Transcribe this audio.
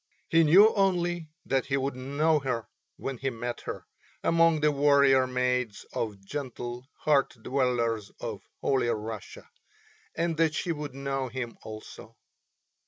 He knew only that he would know her when he met her among the warrior maids or gentle hearth dwellers of Holy Russia, and that she would know him also.